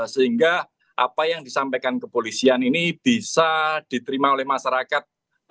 sehingga apa yang disampaikan kepolisian ini bisa diterima oleh masyarakat